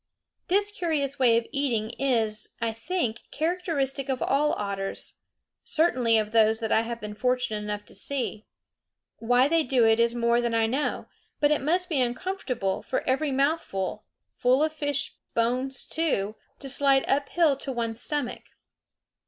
This curious way of eating is, I think, characteristic of all otters; certainly of those that I have been fortunate enough to see. Why they do it is more than I know; but it must be uncomfortable for every mouthful full of fish bones, too to slide uphill to one's stomach.